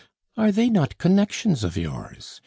Are they not connections of yours?